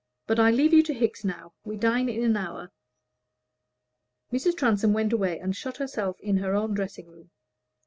But I leave you to Hickes now; we dine in an hour." Mrs. Transome went away and shut herself in her own dressing room.